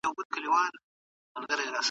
ماشومانو ته د غرونو د هسکوالي په اړه کیسې وکړئ.